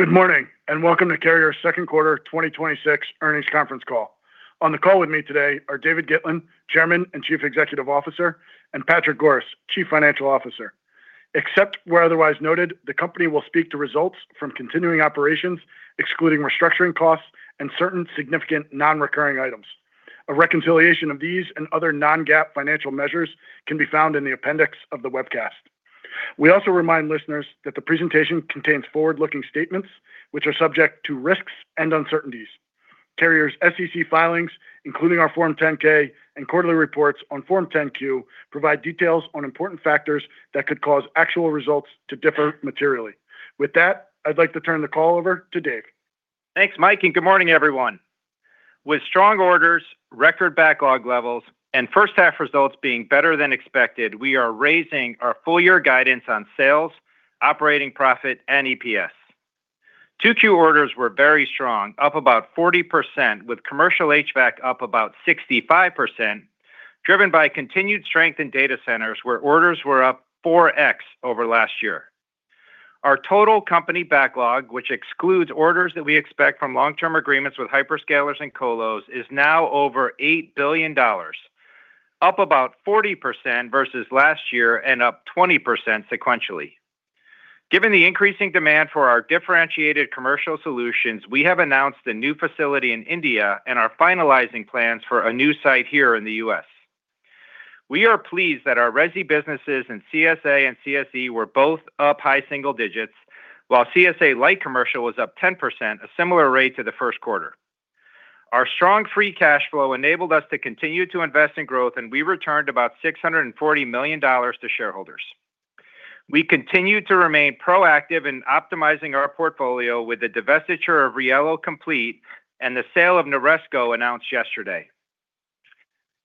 Good morning, and welcome to Carrier's second quarter 2026 earnings conference call. On the call with me today are David Gitlin, Chairman and Chief Executive Officer, and Patrick Goris, Chief Financial Officer. Except where otherwise noted, the company will speak to results from continuing operations, excluding restructuring costs and certain significant non-recurring items. A reconciliation of these and other non-GAAP financial measures can be found in the appendix of the webcast. We also remind listeners that the presentation contains forward-looking statements which are subject to risks and uncertainties. Carrier's SEC filings, including our Form 10-K and quarterly reports on Form 10-Q, provide details on important factors that could cause actual results to differ materially. With that, I'd like to turn the call over to Dave. Thanks, Mike, and good morning, everyone. With strong orders, record backlog levels, and first half results being better than expected, we are raising our full year guidance on sales, operating profit, and EPS. 2Q orders were very strong, up about 40%, with Commercial HVAC up about 65%, driven by continued strength in data centers where orders were up 4x over last year. Our total company backlog, which excludes orders that we expect from long-term agreements with hyperscalers and colos, is now over $8 billion, up about 40% versus last year and up 20% sequentially. Given the increasing demand for our differentiated commercial solutions, we have announced a new facility in India and are finalizing plans for a new site here in the U.S. We are pleased that our Resi businesses in CSA and CSE were both up high single-digits, while CSA Light Commercial was up 10%, a similar rate to the first quarter. Our strong free cash flow enabled us to continue to invest in growth, and we returned about $640 million to shareholders. We continue to remain proactive in optimizing our portfolio with the divestiture of Riello complete and the sale of NORESCO announced yesterday.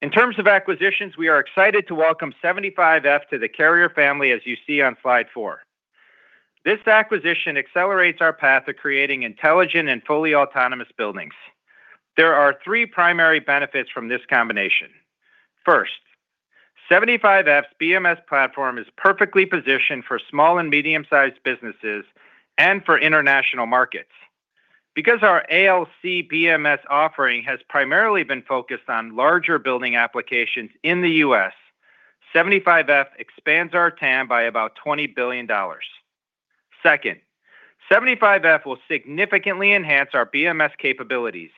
In terms of acquisitions, we are excited to welcome 75F to the Carrier family as you see on slide four. This acquisition accelerates our path to creating intelligent and fully autonomous buildings. There are three primary benefits from this combination. First, 75F's BMS platform is perfectly positioned for small and medium sized businesses and for international markets. Because our ALC BMS offering has primarily been focused on larger building applications in the U.S., 75F expands our TAM by about $20 billion. Second, 75F will significantly enhance our BMS capabilities.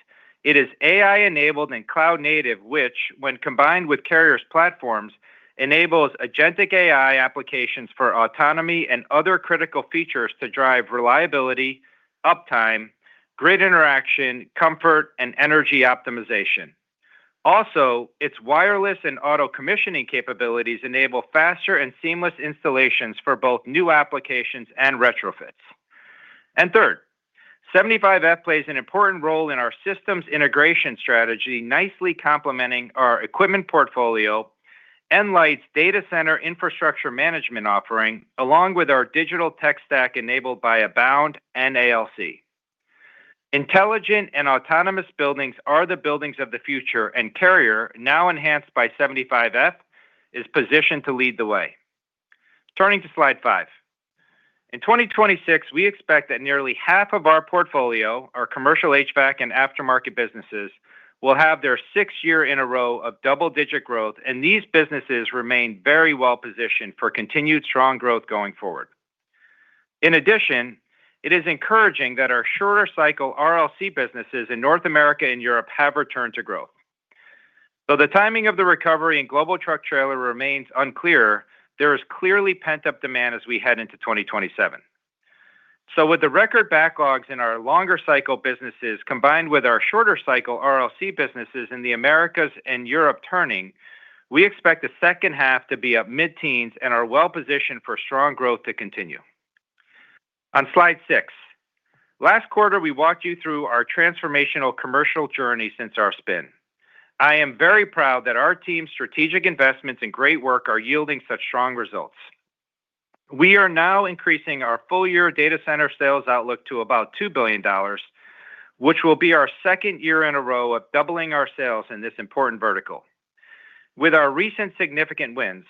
It is AI enabled and cloud native which, when combined with Carrier's platforms, enables agentic AI applications for autonomy and other critical features to drive reliability, uptime, grid interaction, comfort, and energy optimization. Its wireless and auto-commissioning capabilities enable faster and seamless installations for both new applications and retrofits. Third, 75F plays an important role in our systems integration strategy, nicely complementing our equipment portfolio, Nlyte's data center infrastructure management offering, along with our digital tech stack enabled by Abound and ALC. Intelligent and autonomous buildings are the buildings of the future, and Carrier, now enhanced by 75F, is positioned to lead the way. Turning to slide five. In 2026, we expect that nearly half of our portfolio, our Commercial HVAC and aftermarket businesses, will have their sixth year in a row of double-digit growth, and these businesses remain very well positioned for continued strong growth going forward. In addition, it is encouraging that our shorter cycle RLC businesses in North America and Europe have returned to growth. Though the timing of the recovery in global truck-trailer remains unclear, there is clearly pent-up demand as we head into 2027. With the record backlogs in our longer cycle businesses, combined with our shorter cycle RLC businesses in the Americas and Europe turning, we expect the second half to be up mid-teens and are well-positioned for strong growth to continue. On slide six. Last quarter, we walked you through our transformational commercial journey since our spin. I am very proud that our team's strategic investments and great work are yielding such strong results. We are now increasing our full-year data center sales outlook to about $2 billion, which will be our second year in a row of doubling our sales in this important vertical. With our recent significant wins,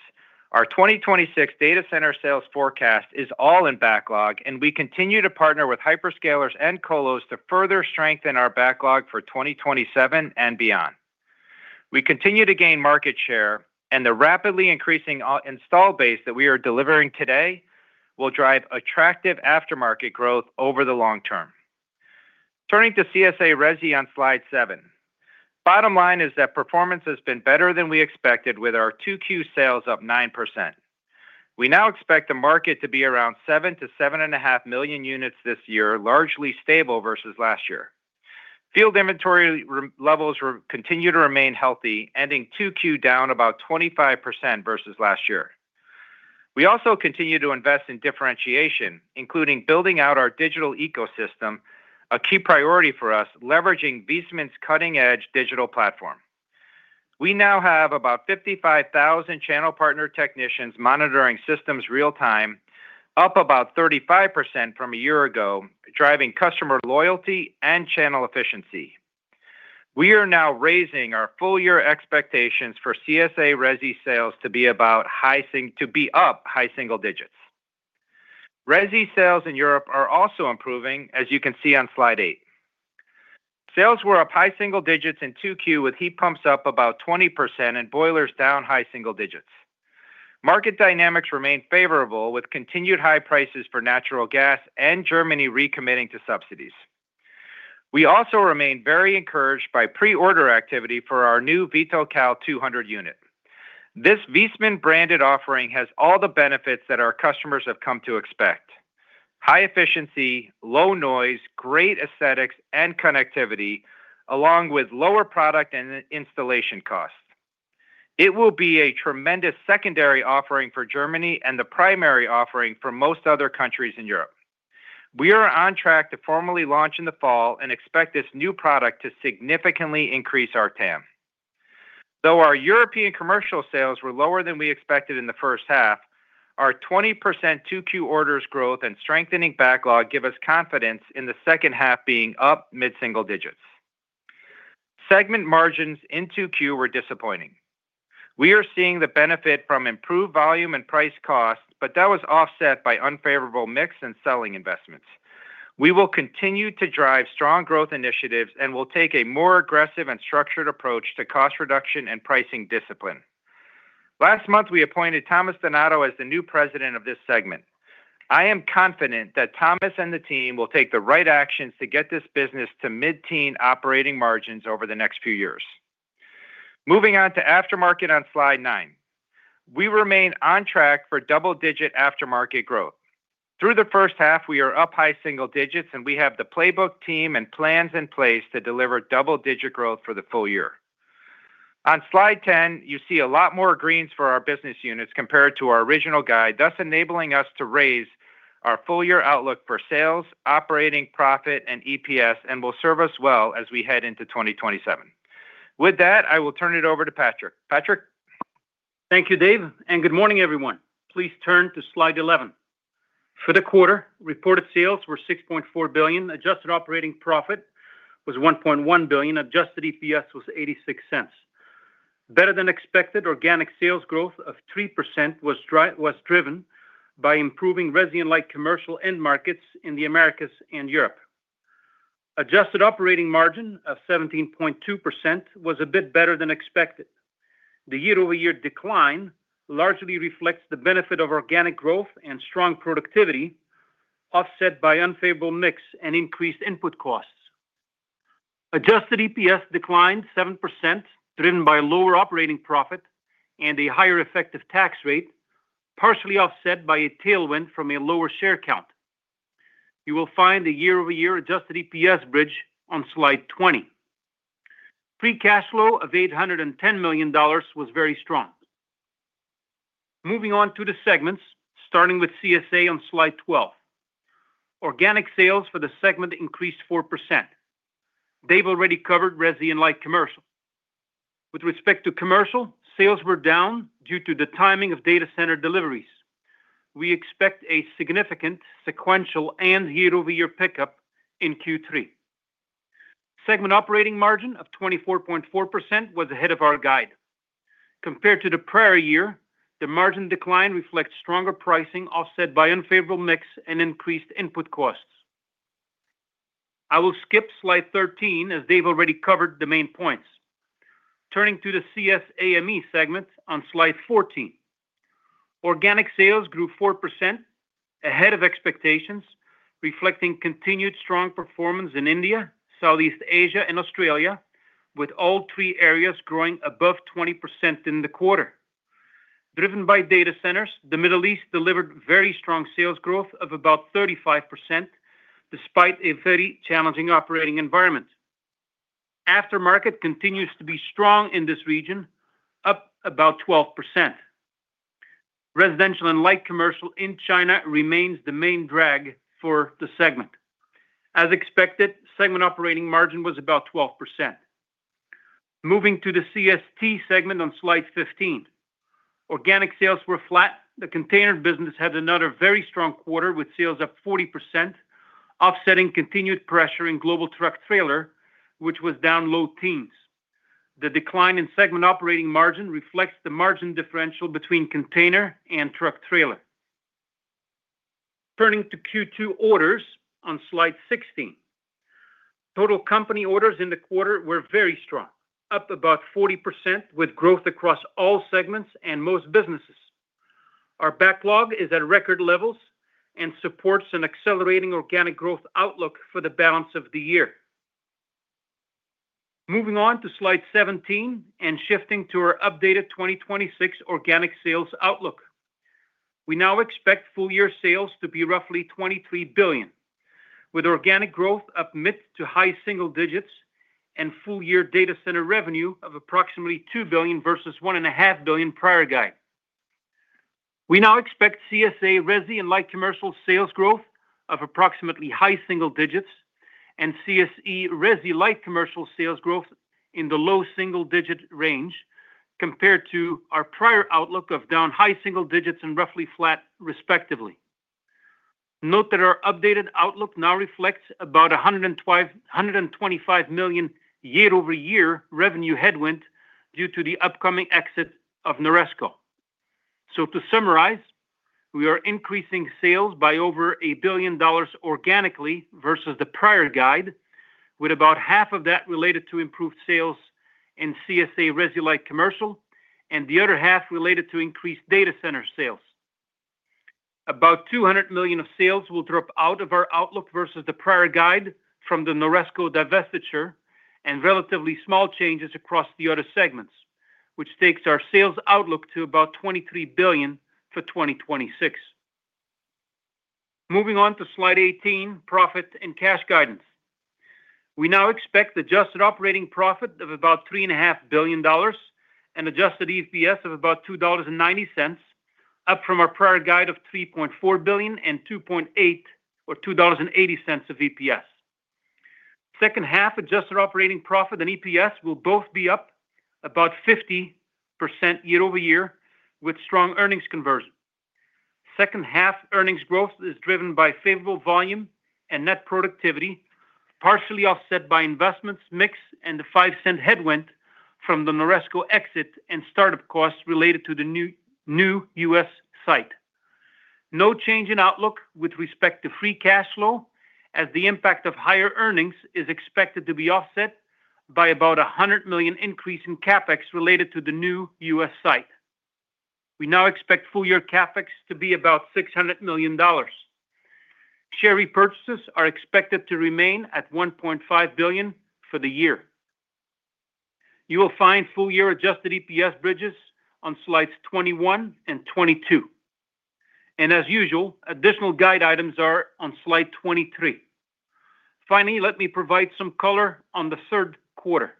our 2026 data center sales forecast is all in backlog, and we continue to partner with hyperscalers and colos to further strengthen our backlog for 2027 and beyond. We continue to gain market share, and the rapidly increasing install base that we are delivering today will drive attractive aftermarket growth over the long term. Turning to CSA Resi on slide seven. Bottom line is that performance has been better than we expected with our 2Q sales up 9%. We now expect the market to be around 7 million-7.5 million units this year, largely stable versus last year. Field inventory levels continue to remain healthy, ending 2Q down about 25% versus last year. We also continue to invest in differentiation, including building out our digital ecosystem, a key priority for us, leveraging Viessmann's cutting-edge digital platform. We now have about 55,000 channel partner technicians monitoring systems real-time, up about 35% from a year ago, driving customer loyalty and channel efficiency. We are now raising our full-year expectations for CSA Resi sales to be up high single-digits. Resi sales in Europe are also improving, as you can see on slide eight. Sales were up high single-digits in 2Q with heat pumps up about 20% and boilers down high single-digits. Market dynamics remain favorable with continued high prices for natural gas and Germany recommitting to subsidies. We also remain very encouraged by pre-order activity for our new Vitocal 200 unit. This Viessmann branded offering has all the benefits that our customers have come to expect. High efficiency, low noise, great aesthetics and connectivity, along with lower product and installation costs. It will be a tremendous secondary offering for Germany and the primary offering for most other countries in Europe. We are on track to formally launch in the fall and expect this new product to significantly increase our TAM. Though our European Commercial sales were lower than we expected in the first half, our 20% 2Q orders growth and strengthening backlog give us confidence in the second half being up mid single-digits. Segment margins in 2Q were disappointing. We are seeing the benefit from improved volume and price costs, but that was offset by unfavorable mix and selling investments. We will continue to drive strong growth initiatives and will take a more aggressive and structured approach to cost reduction and pricing discipline. Last month, we appointed Thomas Donato as the new President of this segment. I am confident that Thomas and the team will take the right actions to get this business to mid-teen operating margins over the next few years. Moving on to aftermarket on slide nine. We remain on track for double-digit aftermarket growth. Through the first half, we are up high single-digits, and we have the playbook team and plans in place to deliver double-digit growth for the full year. On slide 10, you see a lot more greens for our business units compared to our original guide, thus enabling us to raise our full-year outlook for sales, operating profit and EPS, and will serve us well as we head into 2027. With that, I will turn it over to Patrick. Patrick? Thank you, Dave, and good morning, everyone. Please turn to slide 11. For the quarter, reported sales were $6.4 billion, adjusted operating profit was $1.1 billion, adjusted EPS was $0.86. Better than expected organic sales growth of 3% was driven by improving Resi and Light Commercial end markets in the Americas and Europe. Adjusted operating margin of 17.2% was a bit better than expected. The year-over-year decline largely reflects the benefit of organic growth and strong productivity, offset by unfavorable mix and increased input costs. Adjusted EPS declined 7%, driven by lower operating profit and a higher effective tax rate, partially offset by a tailwind from a lower share count. You will find a year-over-year adjusted EPS bridge on slide 20. Free cash flow of $810 million was very strong. Moving on to the segments, starting with CSA on slide 12. Organic sales for the segment increased 4%. Dave already covered Resi and Light Commercial. With respect to Commercial, sales were down due to the timing of data center deliveries. We expect a significant sequential and year-over-year pickup in Q3. Segment operating margin of 24.4% was ahead of our guide. Compared to the prior year, the margin decline reflects stronger pricing offset by unfavorable mix and increased input costs. I will skip slide 13 as Dave already covered the main points. Turning to the CSAME segments on slide 14. Organic sales grew 4%, ahead of expectations, reflecting continued strong performance in India, Southeast Asia and Australia, with all three areas growing above 20% in the quarter. Driven by data centers, the Middle East delivered very strong sales growth of about 35%, despite a very challenging operating environment. Aftermarket continues to be strong in this region, up about 12%. Residential and Light Commercial in China remains the main drag for the segment. As expected, segment operating margin was about 12%. Moving to the CST segment on slide 15. Organic sales were flat. The container business had another very strong quarter with sales up 40%, offsetting continued pressure in global truck trailer, which was down low-teens. The decline in segment operating margin reflects the margin differential between container and truck trailer. Turning to Q2 orders on slide 16. Total company orders in the quarter were very strong, up about 40% with growth across all segments and most businesses. Our backlog is at record levels and supports an accelerating organic growth outlook for the balance of the year. Moving on to slide 17 and shifting to our updated 2026 organic sales outlook. We now expect full year sales to be roughly $23 billion, with organic growth up mid to high single-digits and full year data center revenue of approximately $2 billion versus $1.5 billion prior guide. We now expect CSA Resi and Light Commercial sales growth of approximately high single-digits and CSE Resi Light Commercial sales growth in the low single-digit range, compared to our prior outlook of down high single-digits and roughly flat respectively. Note that our updated outlook now reflects about $125 million year-over-year revenue headwind due to the upcoming exit of NORESCO. To summarize, we are increasing sales by over $1 billion organically versus the prior guide, with about half of that related to improved sales in CSA Resi Light Commercial, and the other half related to increased data center sales. About $200 million of sales will drop out of our outlook versus the prior guide from the NORESCO divestiture, and relatively small changes across the other segments, which takes our sales outlook to about $23 billion for 2026. Moving on to slide 18, profit and cash guidance. We now expect adjusted operating profit of about $3.5 billion, and adjusted EPS of about $2.90, up from our prior guide of $3.4 billion and $2.80 of EPS. Second half adjusted operating profit and EPS will both be up about 50% year-over-year with strong earnings conversion. Second half earnings growth is driven by favorable volume and net productivity, partially offset by investments mix and the $0.05 headwind from the NORESCO exit and startup costs related to the new U.S. site. No change in outlook with respect to free cash flow, as the impact of higher earnings is expected to be offset by about $100 million increase in CapEx related to the new U.S. site. We now expect full year CapEx to be about $600 million. Share repurchases are expected to remain at $1.5 billion for the year. You will find full year adjusted EPS bridges on slides 21 and 22. As usual, additional guide items are on slide 23. Finally, let me provide some color on the third quarter.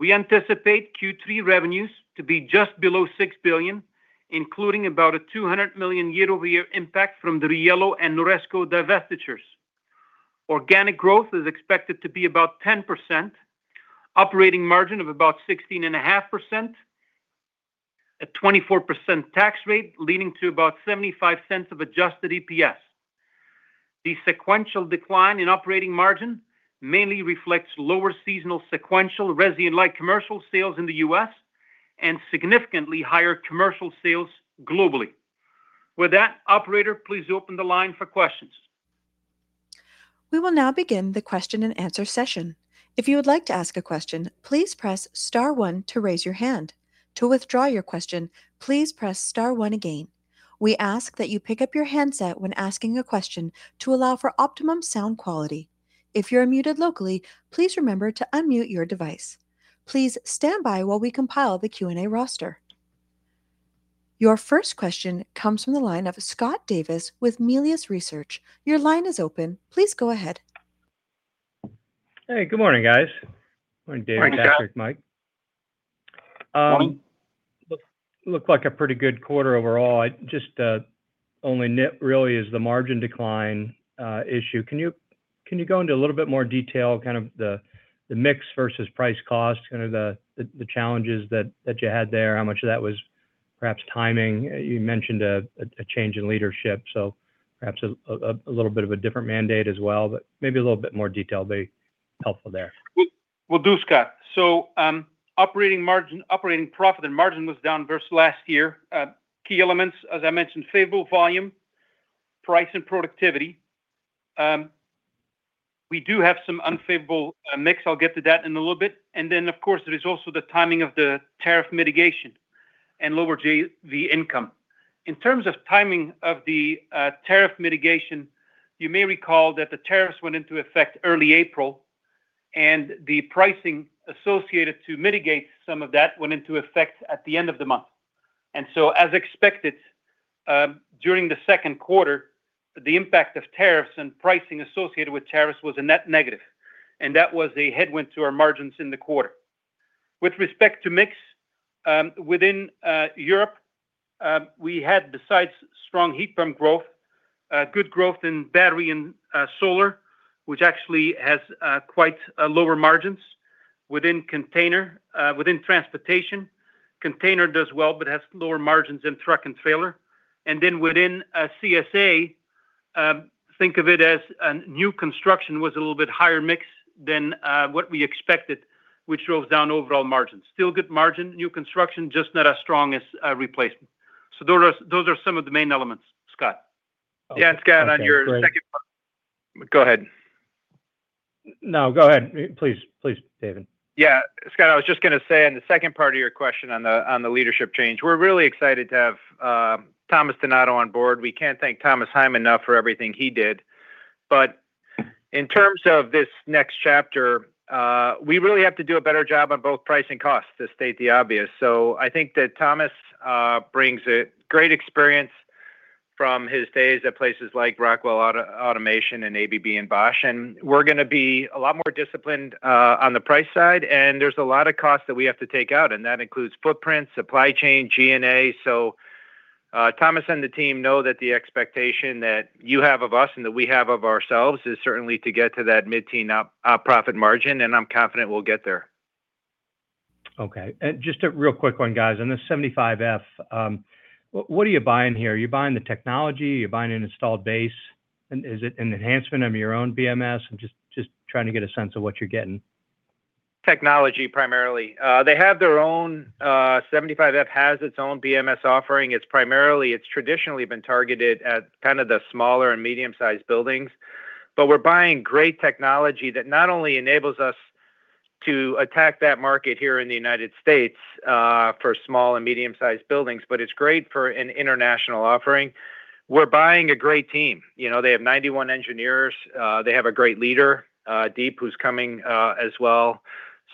We anticipate Q3 revenues to be just below $6 billion, including about a $200 million year-over-year impact from the Riello and NORESCO divestitures. Organic growth is expected to be about 10%, operating margin of about 16.5%, a 24% tax rate leading to about $0.75 of adjusted EPS. The sequential decline in operating margin mainly reflects lower seasonal sequential Resi and Light Commercial sales in the U.S., and significantly higher Commercial sales globally. With that, operator, please open the line for questions. We will now begin the question-and-answer session. If you would like to ask a question, please press star one to raise your hand. To withdraw your question, please press star one again. We ask that you pick up your handset when asking a question to allow for optimum sound quality. If you're muted locally, please remember to unmute your device. Please stand by while we compile the Q&A roster. Your first question comes from the line of Scott Davis with Melius Research. Your line is open. Please go ahead. Hey, good morning, guys. Morning, Scott. Patrick, Mike. Morning. Looked like a pretty good quarter overall. Just only nit, really, is the margin decline issue. Can you go into a little bit more detail, the mix versus price/cost, the challenges that you had there? How much of that was perhaps timing? You mentioned a change in leadership, so perhaps a little bit of a different mandate as well, but maybe a little bit more detail would be helpful there. Will do, Scott. Operating profit and margin was down versus last year. Key elements, as I mentioned, favorable volume, price, and productivity. We do have some unfavorable mix. I'll get to that in a little bit. Then, of course, there is also the timing of the tariff mitigation and lower JV income. In terms of timing of the tariff mitigation, you may recall that the tariffs went into effect early April, and the pricing associated to mitigate some of that went into effect at the end of the month. As expected, during the second quarter, the impact of tariffs and pricing associated with tariffs was a net negative. That was a headwind to our margins in the quarter. With respect to mix, within Europe, we had besides strong heat pump growth, good growth in battery and solar, which actually has quite lower margins within transportation. Container does well but has lower margins than truck and trailer. Then within CSA, think of it as a new construction was a little bit higher mix than what we expected, which drove down overall margins. Still good margin, new construction, just not as strong as replacement. Those are some of the main elements, Scott. Okay, great. Yeah, Scott, on your second—go ahead. No, go ahead, please, David. Yeah. Scott, I was just going to say on the second part of your question on the leadership change, we are really excited to have Thomas Donato on board. We cannot thank Thomas Heim enough for everything he did. In terms of this next chapter, we really have to do a better job on both price and cost, to state the obvious. I think that Thomas brings great experience from his days at places like Rockwell Automation and ABB and Bosch, and we are going to be a lot more disciplined on the price side, and there is a lot of cost that we have to take out, and that includes footprint, supply chain, G&A. Thomas and the team know that the expectation that you have of us and that we have of ourselves is certainly to get to that mid-teen profit margin, and I am confident we will get there. Okay. Just a real quick one, guys. On the 75F, what are you buying here? Are you buying the technology? Are you buying an installed base? Is it an enhancement of your own BMS? I'm just trying to get a sense of what you're getting. Technology, primarily. 75F has its own BMS offering. It's traditionally been targeted at the smaller and medium-sized buildings. We're buying great technology that not only enables us to attack that market here in the U.S. for small and medium-sized buildings, but it's great for an international offering. We're buying a great team. They have 91 engineers. They have a great leader, Deep, who's coming as well.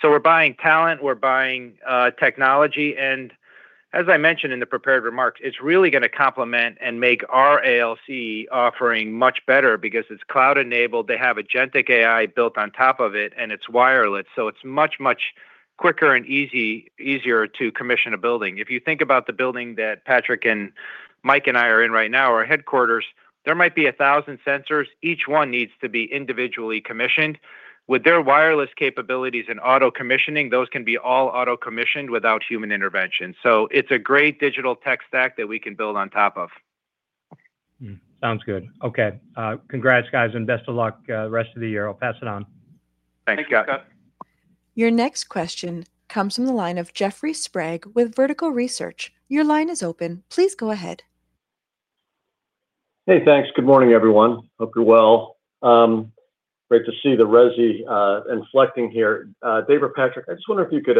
We're buying talent, we're buying technology, and as I mentioned in the prepared remarks, it's really going to complement and make our ALC offering much better because it's cloud-enabled. They have agentic AI built on top of it, and it's wireless, so it's much, much quicker and easier to commission a building. If you think about the building that Patrick and Mike and I are in right now, our headquarters, there might be 1,000 sensors. Each one needs to be individually commissioned. With their wireless capabilities and auto-commissioning, those can be all auto-commissioned without human intervention. It's a great digital tech stack that we can build on top of. Sounds good. Okay. Congrats, guys, and best of luck the rest of the year. I'll pass it on. Thanks, Scott. Thanks, Scott. Your next question comes from the line of Jeffrey Sprague with Vertical Research. Your line is open. Please go ahead. Hey, thanks. Good morning, everyone. Hope you're well. Great to see the Resi inflecting here. Dave or Patrick, I just wonder if you could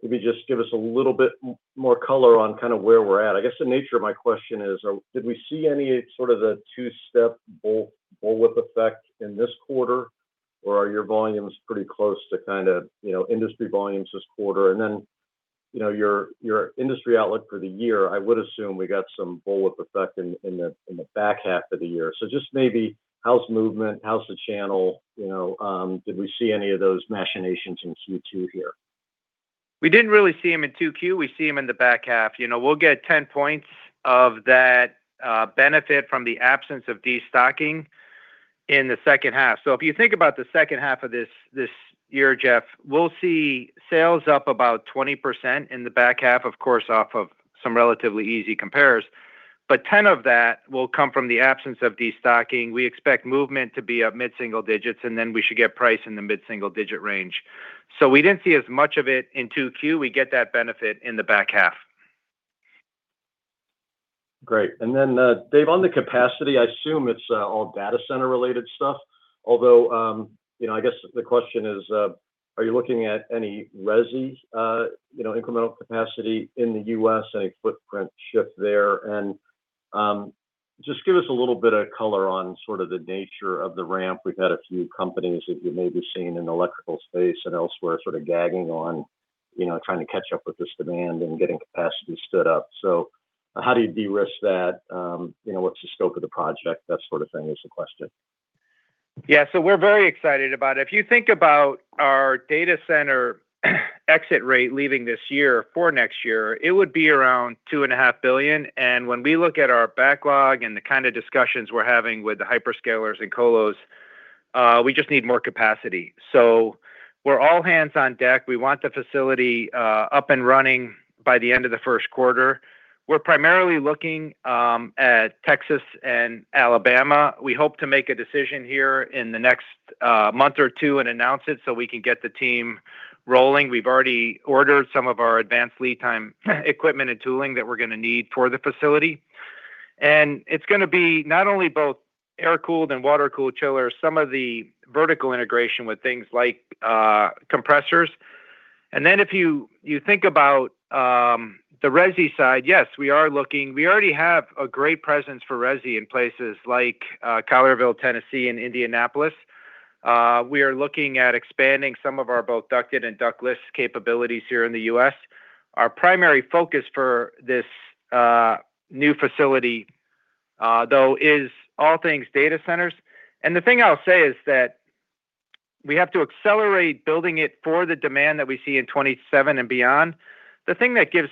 maybe just give us a little bit more color on where we're at. I guess the nature of my question is, did we see any of the two-step bullwhip effect in this quarter, or are your volumes pretty close to industry volumes this quarter? And then, your industry outlook for the year, I would assume we got some bullwhip effect in the back half of the year. Just maybe how's the movement? How's the channel? Did we see any of those machinations in Q2 here? We didn't really see them in 2Q. We see them in the back half. We'll get 10 points of that benefit from the absence of destocking in the second half. If you think about the second half of this year, Jeff, we'll see sales up about 20% in the back half, of course, off of some relatively easy compares. 10% of that will come from the absence of destocking. We expect movement to be up mid single-digits, and then we should get price in the mid-single-digit range. We didn't see as much of it in 2Q. We get that benefit in the back half. Dave, on the capacity, I assume it's all data center-related stuff, although, I guess the question is, are you looking at any Resi incremental capacity in the U.S., any footprint shift there? Just give us a little bit of color on the nature of the ramp. We've had a few companies that you may be seeing in the electrical space and elsewhere gagging on trying to catch up with this demand and getting capacity stood up. How do you de-risk that? What's the scope of the project? That sort of thing is the question. We're very excited about it. If you think about our data center exit rate leaving this year for next year, it would be around $2.5 billion. When we look at our backlog and the kind of discussions we're having with the hyperscalers and colos, we just need more capacity. We're all hands on deck. We want the facility up and running by the end of the first quarter. We're primarily looking at Texas and Alabama. We hope to make a decision here in the next month or two and announce it so we can get the team rolling. We've already ordered some of our advanced lead time equipment and tooling that we're going to need for the facility. It's going to be not only both air-cooled and water-cooled chillers, some of the vertical integration with things like compressors. If you think about the Resi side, yes, we are looking. We already have a great presence for Resi in places like Collierville, Tennessee, and Indianapolis. We are looking at expanding some of our both ducted and ductless capabilities here in the U.S. Our primary focus for this new facility, though, is all things data centers. The thing I'll say is that we have to accelerate building it for the demand that we see in 2027 and beyond. The thing that gives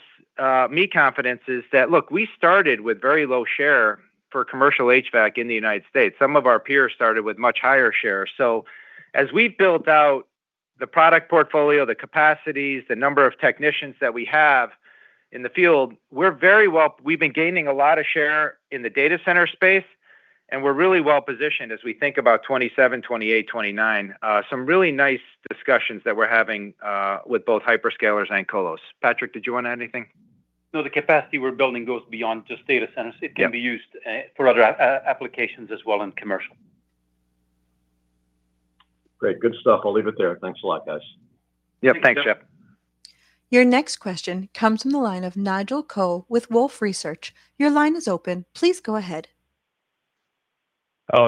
me confidence is that, look, we started with very low share for Commercial HVAC in the United States. Some of our peers started with much higher shares. As we build out the product portfolio, the capacities, the number of technicians that we have in the field, we've been gaining a lot of share in the data center space, we're really well-positioned as we think about 2027, 2028, 2029. Some really nice discussions that we're having with both hyperscalers and colos. Patrick, did you want to add anything? No, the capacity we're building goes beyond just data centers. Yeah. It can be used for other applications as well in Commercial. Great. Good stuff. I'll leave it there. Thanks a lot, guys. Yeah. Thanks, Jeff. Thanks, Jeff. Your next question comes from the line of Nigel Coe with Wolfe Research. Your line is open. Please go ahead.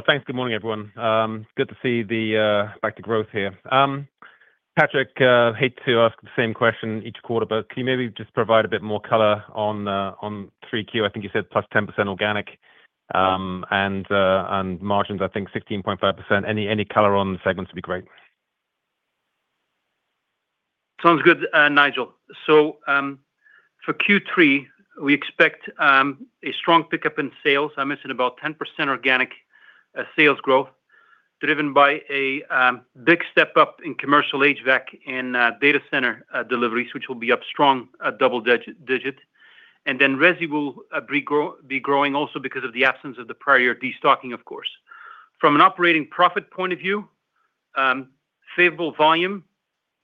Thanks. Good morning, everyone. It's good to see the back to growth here. Patrick, hate to ask the same question each quarter, but can you maybe just provide a bit more color on 3Q? I think you said +10% organic, margins, I think 16.5%. Any color on the segments would be great. Sounds good, Nigel. For Q3, we expect a strong pickup in sales. I mentioned about 10% organic sales growth, driven by a big step up in Commercial HVAC and data center deliveries, which will be up strong double-digit. Then Resi will be growing also because of the absence of the prior de-stocking, of course. From an operating profit point of view, favorable volume,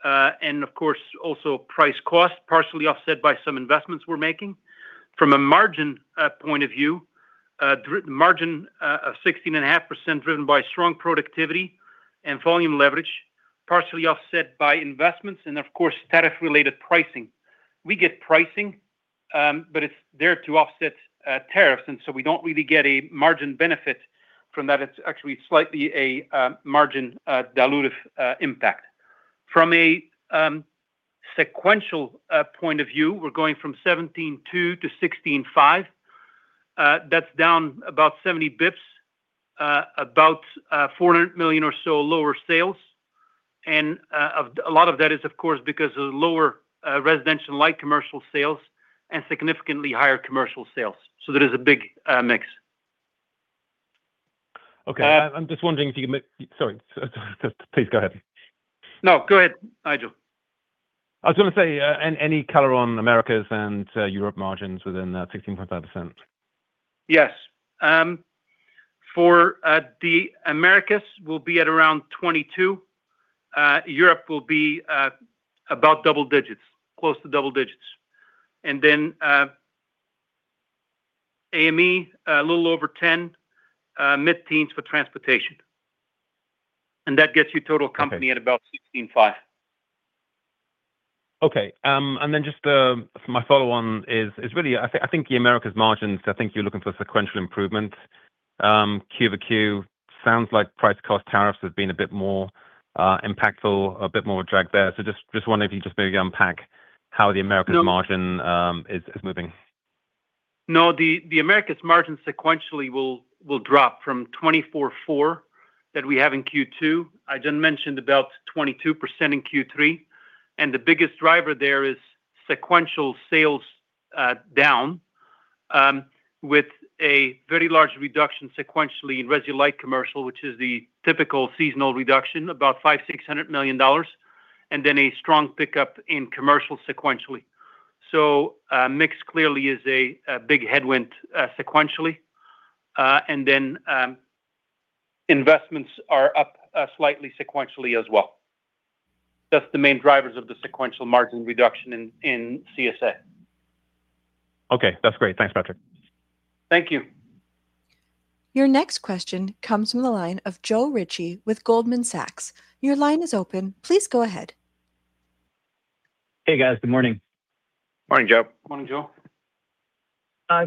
of course, also price cost partially offset by some investments we're making. From a margin point of view, margin of 16.5% driven by strong productivity and volume leverage, partially offset by investments, of course, tariff-related pricing. We get pricing, but it's there to offset tariffs, we don't really get a margin benefit from that. It's actually slightly a margin dilutive impact. From a sequential point of view, we're going from 17.2% to 16.5%. That's down about 70 basis points, about $400 million or so lower sales. A lot of that is, of course, because of lower Residential and Light Commercial sales and significantly higher Commercial sales. There is a big mix. Okay. I'm just wondering if you can. Sorry. Please go ahead. No, go ahead, Nigel. I was going to say, any color on Americas and Europe margins within 16.5%? Yes. For the Americas will be at around 22%. Europe will be about double-digits, close to double-digits. AME, a little over 10%, mid-teens for Transportation. That gets you total company— Okay. —at about 16.5%. Okay. Just my follow-on is really I think the Americas margins, I think you're looking for sequential improvement Q over Q. Sounds like price cost tariffs have been a bit more impactful, a bit more of a drag there. Just wondering if you just maybe unpack how the Americas margin— No. —is moving. No, the Americas margin sequentially will drop from 24.4% that we have in Q2. I just mentioned about 22% in Q3. The biggest driver there is sequential sales down with a very large reduction sequentially in Resi Light Commercial, which is the typical seasonal reduction, about $500 million-$600 million. Then a strong pickup in Commercial sequentially. Mix clearly is a big headwind sequentially. Then investments are up slightly sequentially as well. That's the main drivers of the sequential margin reduction in CSA. Okay, that's great. Thanks, Patrick. Thank you. Your next question comes from the line of Joe Ritchie with Goldman Sachs. Your line is open. Please go ahead. Hey, guys. Good morning. Morning, Joe. Morning, Joe.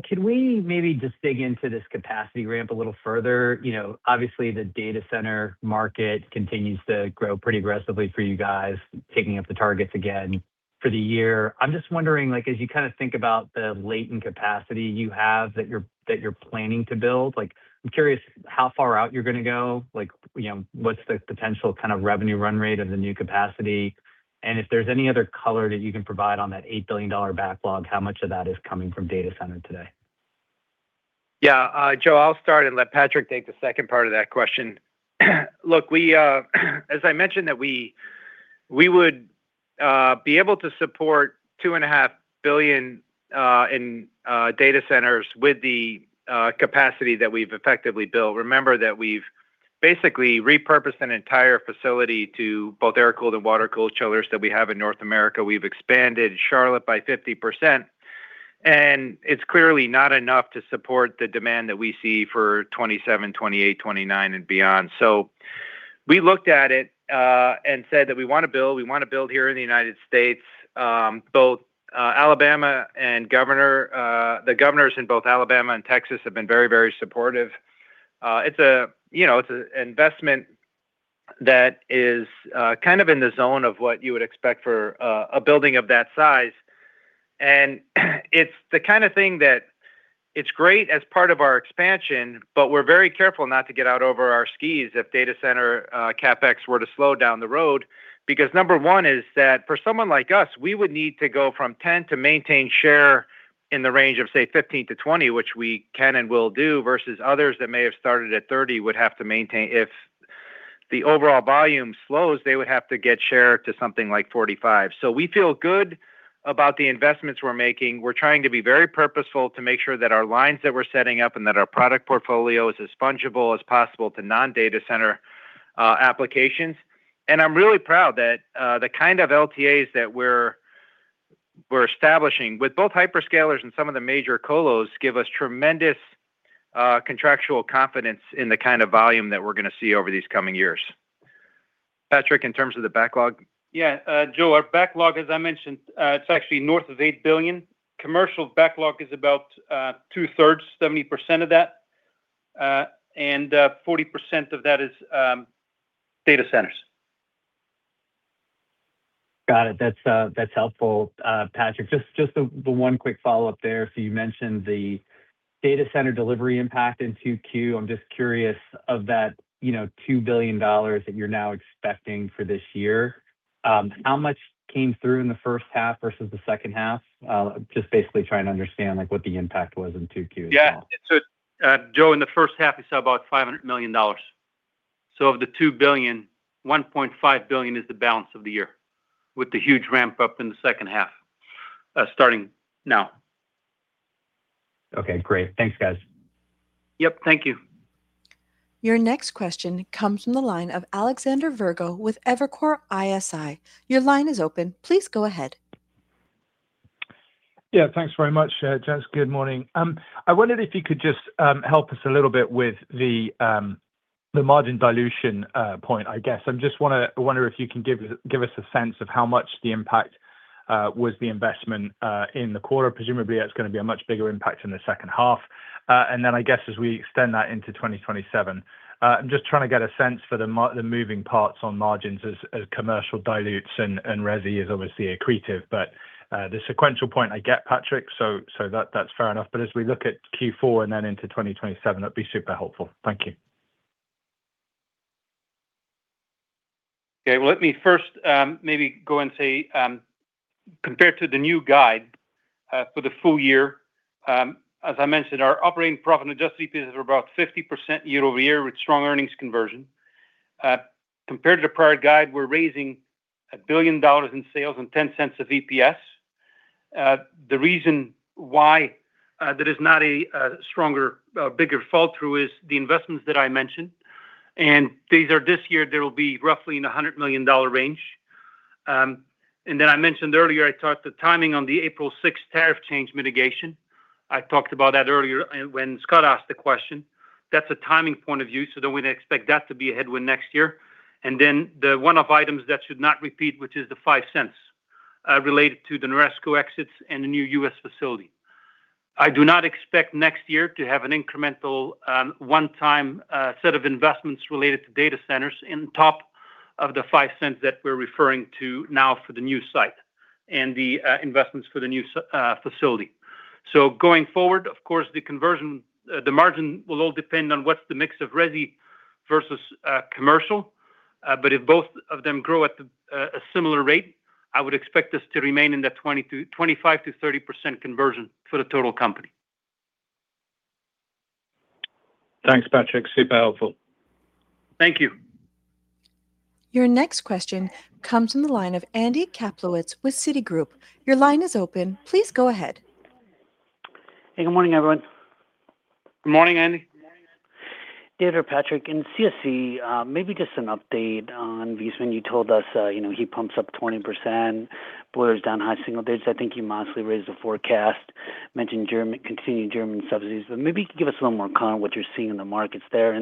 Could we maybe just dig into this capacity ramp a little further? Obviously, the data center market continues to grow pretty aggressively for you guys, ticking up the targets again for the year. I'm just wondering, as you think about the latent capacity you have that you're planning to build, I'm curious how far out you're going to go. What's the potential kind of revenue run rate of the new capacity? If there's any other color that you can provide on that $8 billion backlog, how much of that is coming from data center today? Joe, I'll start and let Patrick take the second part of that question. As I mentioned, we would be able to support $2.5 billion in data centers with the capacity that we've effectively built. Remember that we've basically repurposed an entire facility to both air-cooled and water-cooled chillers that we have in North America. We've expanded Charlotte by 50%, and it's clearly not enough to support the demand that we see for 2027, 2028, 2029 and beyond. We looked at it, and said that we want to build, we want to build here in the United States. The governors in both Alabama and Texas have been very, very supportive. It's an investment that is kind of in the zone of what you would expect for a building of that size. It's the kind of thing that it's great as part of our expansion, but we're very careful not to get out over our skis if data center CapEx were to slow down the road. Because number one is that for someone like us, we would need to go from 10% to maintain share in the range of, say, 15%-20%, which we can and will do, versus others that may have started at 30%, if the overall volume slows, they would have to get share to something like 45%. We feel good about the investments we're making. We're trying to be very purposeful to make sure that our lines that we're setting up and that our product portfolio is as fungible as possible to non-data center applications. I'm really proud that the kind of LTAs that we're establishing with both hyperscalers and some of the major colos give us tremendous contractual confidence in the kind of volume that we're going to see over these coming years. Patrick, in terms of the backlog? Joe, our backlog, as I mentioned, it's actually north of $8 billion. Commercial backlog is about two-thirds, 70% of that, and 40% of that is data centers. Got it. That's helpful, Patrick. Just the one quick follow-up there. You mentioned the Data center delivery impact in 2Q. I'm just curious of that $2 billion that you're now expecting for this year, how much came through in the first half versus the second half? Just basically trying to understand what the impact was in 2Q as well. Yeah. Joe, in the first half we saw about $500 million. Of the $2 billion, $1.5 billion is the balance of the year, with the huge ramp-up in the second half, starting now. Okay, great. Thanks, guys. Yep. Thank you. Your next question comes from the line of Alexander Virgo with Evercore ISI. Your line is open. Please go ahead. Yeah, thanks very much. Gents, good morning. I wondered if you could just help us a little bit with the margin dilution point, I guess. I just wonder if you can give us a sense of how much the impact was the investment in the quarter. Presumably that's going to be a much bigger impact in the second half. I guess as we extend that into 2027. I'm just trying to get a sense for the moving parts on margins as Commercial dilutes and Resi is obviously accretive. The sequential point I get, Patrick, so that's fair enough. As we look at Q4 and then into 2027, that'd be super helpful. Thank you. Okay. Well, let me first maybe go and say, compared to the new guide for the full year, as I mentioned, our operating profit and adjusted EPS are about 50% year-over-year with strong earnings conversion. Compared to the prior guide, we're raising $1 billion in sales and $0.10 of EPS. The reason why there is not a stronger, bigger fall through is the investments that I mentioned. These are this year, they will be roughly in the $100 million range. I mentioned earlier, I thought the timing on the April 6th tariff change mitigation. I talked about that earlier when Scott asked the question. That's a timing point of view, we'd expect that to be a headwind next year. The one-off items that should not repeat, which is the $0.05 related to the NORESCO exits and the new U.S. facility. I do not expect next year to have an incremental, one-time set of investments related to data centers on top of the $0.05 that we're referring to now for the new site and the investments for the new facility. Going forward, of course, the margin will all depend on what's the mix of Resi versus Commercial. If both of them grow at a similar rate, I would expect this to remain in the 25%-30% conversion for the total company. Thanks, Patrick. Super helpful. Thank you. Your next question comes from the line of Andy Kaplowitz with Citigroup. Your line is open. Please go ahead. Hey, good morning, everyone. Good morning, Andy. Dave or Patrick, in CSE, maybe just an update on Viessmann. You told us heat pumps up 20%, boilers down high single-digits. I think you modestly raised the forecast, mentioned continued German subsidies. Maybe you could give us a little more color on what you're seeing in the markets there.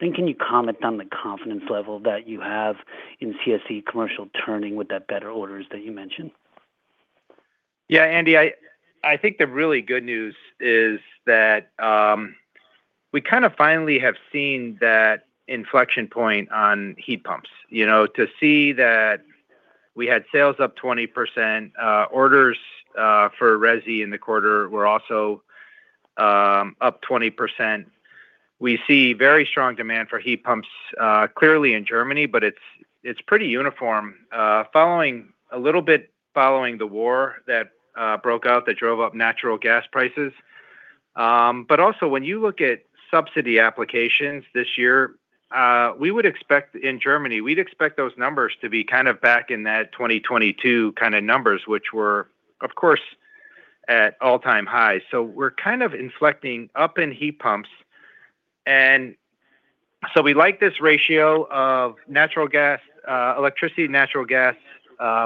Can you comment on the confidence level that you have in CSE Commercial turning with that better orders that you mentioned? Andy, I think the really good news is that we kind of finally have seen that inflection point on heat pumps. To see that we had sales up 20%, orders for Resi in the quarter were also up 20%. We see very strong demand for heat pumps, clearly in Germany. It's pretty uniform. A little bit following the war that broke out that drove up natural gas prices. When you look at subsidy applications this year, in Germany, we'd expect those numbers to be kind of back in that 2022 kind of numbers, which were, of course, at all-time highs. We're kind of inflecting up in heat pumps. We like this ratio of electricity to natural gas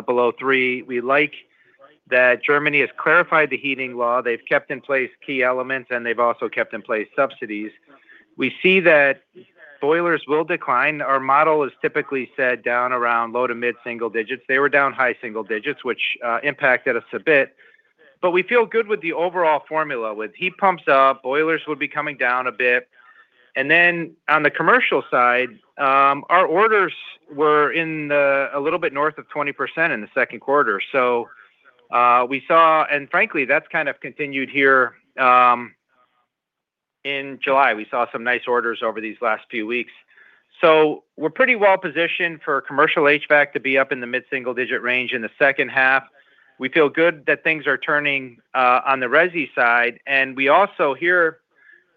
below three. We like that Germany has clarified the heating law. They've kept in place key elements, and they've also kept in place subsidies. We see that boilers will decline. Our model is typically set down around low to mid single-digits. They were down high single-digits, which impacted us a bit. We feel good with the overall formula with heat pumps up, boilers will be coming down a bit. On the Commercial side, our orders were in a little bit north of 20% in the second quarter. We saw, and frankly, that's kind of continued here in July. We saw some nice orders over these last few weeks. We're pretty well positioned for Commercial HVAC to be up in the mid single-digit range in the second half. We feel good that things are turning on the Resi side. We also here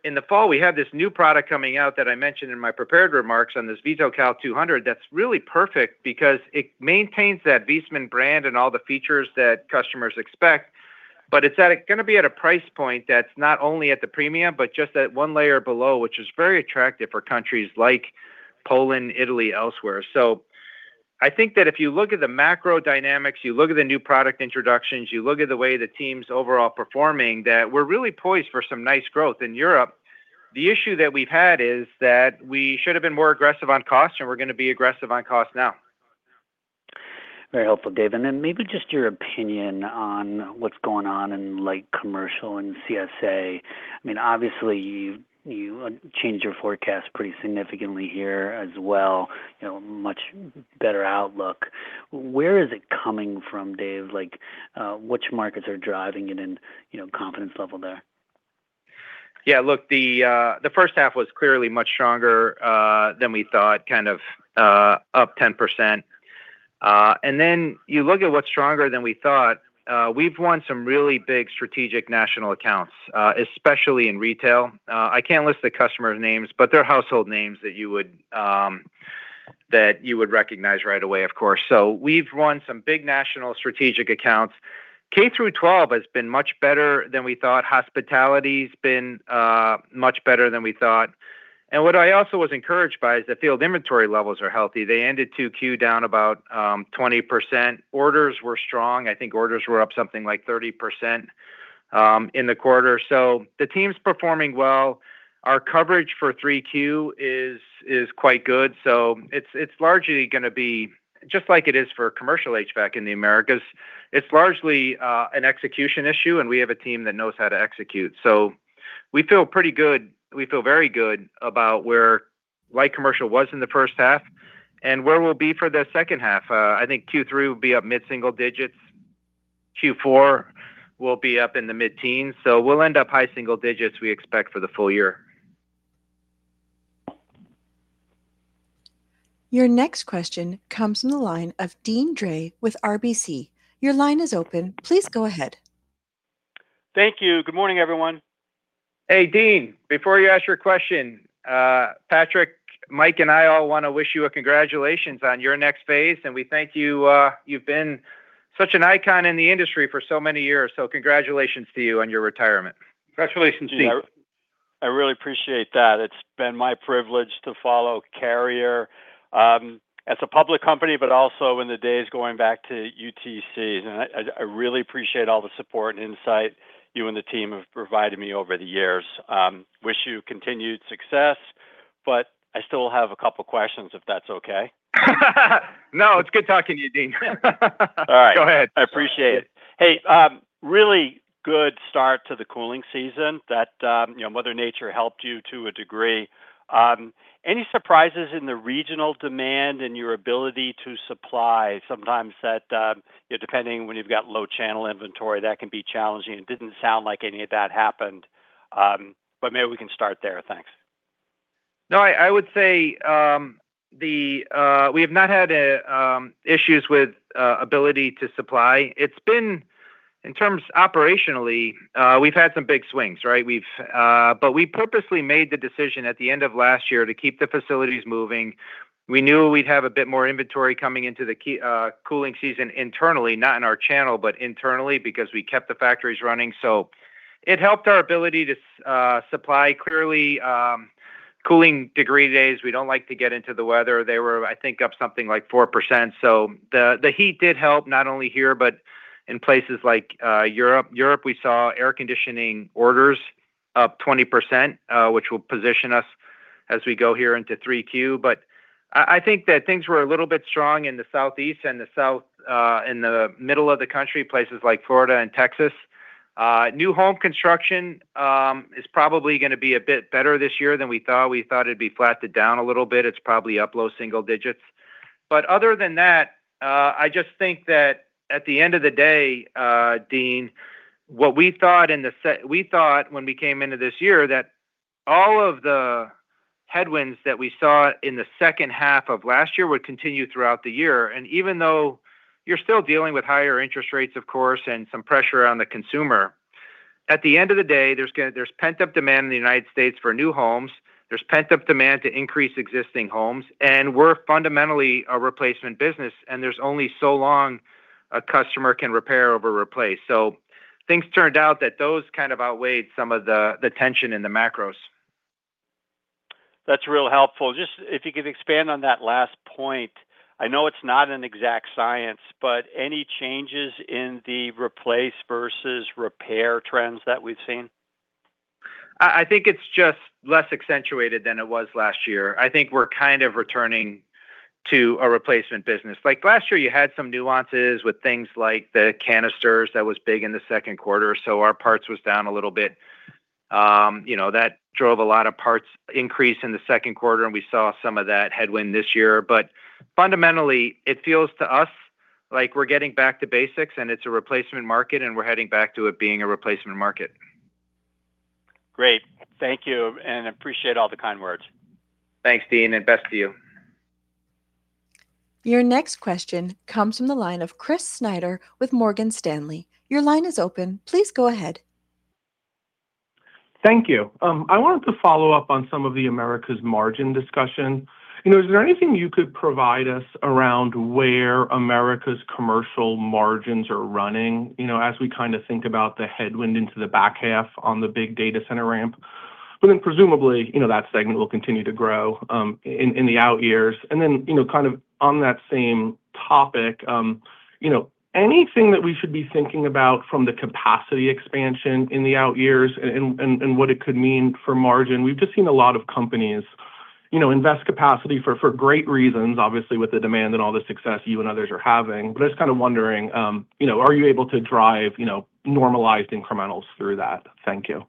in the fall, we have this new product coming out that I mentioned in my prepared remarks on this Vitocal 200 that's really perfect because it maintains that Viessmann brand and all the features that customers expect, but it's going to be at a price point that's not only at the premium, but just that one layer below, which is very attractive for countries like Poland, Italy, elsewhere. I think that if you look at the macro dynamics, you look at the new product introductions, you look at the way the team's overall performing, that we're really poised for some nice growth in Europe. The issue that we've had is that we should have been more aggressive on cost and we're going to be aggressive on cost now. Very helpful, Dave. Then maybe just your opinion on what's going on in Commercial and CSA. Obviously you changed your forecast pretty significantly here as well, much better outlook. Where is it coming from, Dave? Which markets are driving it and confidence level there? Yeah, look, the first half was clearly much stronger than we thought, up 10%. Then you look at what's stronger than we thought. We've won some really big strategic national accounts, especially in retail. I can't list the customers' names, but they're household names that you would recognize right away, of course. We've won some big national strategic accounts. K-12 has been much better than we thought. Hospitality's been much better than we thought. What I also was encouraged by is the field inventory levels are healthy. They ended 2Q down about 20%. Orders were strong. I think orders were up something like 30% in the quarter. The team's performing well. Our coverage for 3Q is quite good. It's largely going to be just like it is for Commercial HVAC in the Americas. It's largely an execution issue, and we have a team that knows how to execute. We feel pretty good. We feel very good about where Light Commercial was in the first half and where we'll be for the second half. I think Q3 will be up mid single-digits. Q4 will be up in the mid-teens, so we'll end up high single-digits we expect for the full year. Your next question comes from the line of Deane Dray with RBC. Your line is open. Please go ahead. Thank you. Good morning, everyone. Hey, Deane, before you ask your question, Patrick, Mike, and I all want to wish you a congratulations on your next phase. We thank you. You've been such an icon in the industry for so many years. Congratulations to you on your retirement. Congratulations, Deane. I really appreciate that. It's been my privilege to follow Carrier as a public company, but also in the days going back to UTCs. I really appreciate all the support and insight you and the team have provided me over the years. Wish you continued success, but I still have a couple questions if that's okay. No, it's good talking to you, Deane. All right. Go ahead. I appreciate it. Really good start to the cooling season that Mother Nature helped you to a degree. Any surprises in the regional demand and your ability to supply? Sometimes depending when you've got low channel inventory, that can be challenging. It didn't sound like any of that happened, but maybe we can start there. Thanks. I would say we have not had issues with ability to supply. It's been operationally, we've had some big swings, right? We purposely made the decision at the end of last year to keep the facilities moving. We knew we'd have a bit more inventory coming into the cooling season internally, not in our channel, but internally because we kept the factories running. It helped our ability to supply. Clearly, cooling degree days, we don't like to get into the weather. They were, I think, up something like 4%. The heat did help, not only here, but in places like Europe. Europe, we saw air conditioning orders up 20%, which will position us as we go here into 3Q. I think that things were a little bit strong in the Southeast and the South, in the middle of the country, places like Florida and Texas. New home construction is probably going to be a bit better this year than we thought. We thought it'd be flattened down a little bit. It's probably up low single-digits. Other than that, I just think that at the end of the day, Deane, what we thought when we came into this year that all of the headwinds that we saw in the second half of last year would continue throughout the year. Even though you're still dealing with higher interest rates, of course, and some pressure on the consumer, at the end of the day, there's pent-up demand in the United States for new homes. There's pent-up demand to increase existing homes, we're fundamentally a replacement business, and there's only so long a customer can repair over replace. Things turned out that those kind of outweighed some of the tension in the macros. That's real helpful. Just if you could expand on that last point. I know it's not an exact science, but any changes in the replace versus repair trends that we've seen? I think it's just less accentuated than it was last year. I think we're kind of returning to a replacement business. Like last year, you had some nuances with things like the canisters that was big in the second quarter, so our parts was down a little bit. That drove a lot of parts increase in the second quarter, and we saw some of that headwind this year. Fundamentally, it feels to us like we're getting back to basics and it's a replacement market and we're heading back to it being a replacement market. Great. Thank you, and appreciate all the kind words. Thanks, Deane, and best to you. Your next question comes from the line of Chris Snyder with Morgan Stanley. Your line is open. Please go ahead. Thank you. I wanted to follow up on some of the Americas margin discussion. Is there anything you could provide us around where Americas Commercial margins are running as we kind of think about the headwind into the back half on the big data center ramp? Presumably, that segment will continue to grow in the out years. Kind of on that same topic, anything that we should be thinking about from the capacity expansion in the out years and what it could mean for margin? We've just seen a lot of companies invest capacity for great reasons, obviously, with the demand and all the success you and others are having. I was kind of wondering, are you able to drive normalized incrementals through that? Thank you.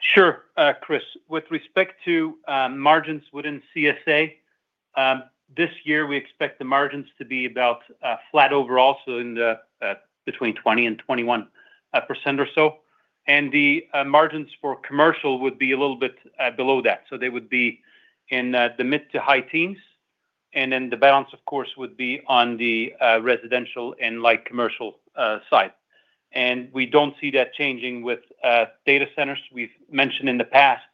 Sure, Chris. With respect to margins within CSA, this year we expect the margins to be about flat overall, so between 20%-21% or so. The margins for Commercial would be a little bit below that. They would be in the mid to high teens. The balance, of course, would be on the Residential and Light Commercial side. We don't see that changing with data centers. We've mentioned in the past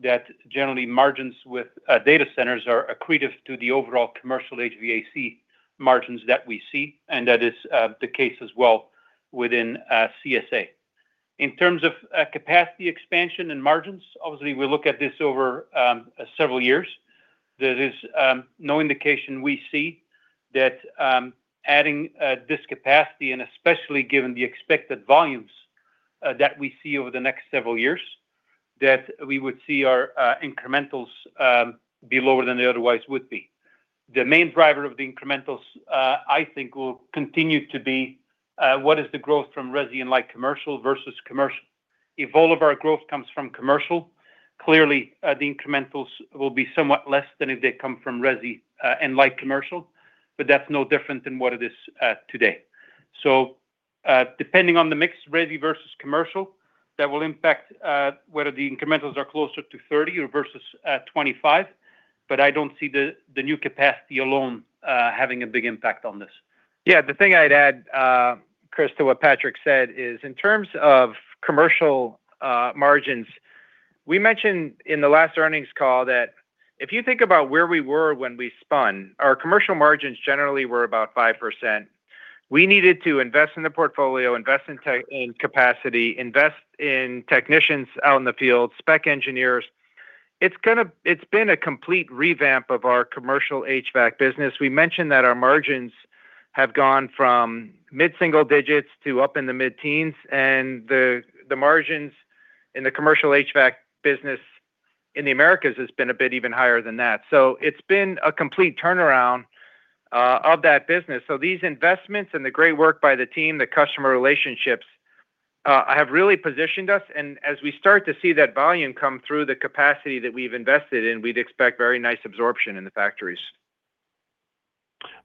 that generally margins with data centers are accretive to the overall Commercial HVAC margins that we see, and that is the case as well within CSA. In terms of capacity expansion and margins, obviously, we look at this over several years. There is no indication we see that adding this capacity, especially given the expected volumes that we see over the next several years, that we would see our incrementals be lower than they otherwise would be. The main driver of the incrementals, I think will continue to be what is the growth from Resi and Light Commercial versus Commercial. If all of our growth comes from Commercial, clearly the incrementals will be somewhat less than if they come from Resi and Light Commercial, but that's no different than what it is today. Depending on the mix, Resi versus Commercial, that will impact whether the incrementals are closer to 30% versus 25%. I don't see the new capacity alone having a big impact on this. The thing I'd add, Chris, to what Patrick said is in terms of Commercial margins, we mentioned in the last earnings call that if you think about where we were when we spun, our Commercial margins generally were about 5%. We needed to invest in the portfolio, invest in capacity, invest in technicians out in the field, spec engineers. It's been a complete revamp of our Commercial HVAC business. We mentioned that our margins have gone from mid single-digits to up in the mid-teens. The margins in the Commercial HVAC business in the Americas has been a bit even higher than that. It's been a complete turnaround of that business. These investments and the great work by the team, the customer relationships, have really positioned us. As we start to see that volume come through the capacity that we've invested in, we'd expect very nice absorption in the factories.